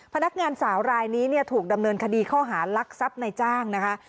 พนักงานสาวรายนี้เนี่ยถูกดำเนินคดีข้อหารักทรัพย์ในจ้างนะคะ